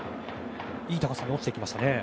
いい高さに落ちていきましたね。